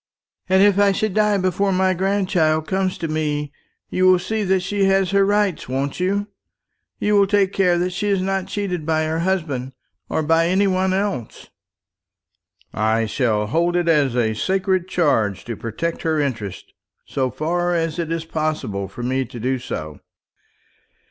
And if I should die before my grandchild comes to me, you will see that she has her rights, won't you? You will take care that she is not cheated by her husband, or by any one else?" "I shall hold it a sacred charge to protect her interests, so far as it is possible for me to do so."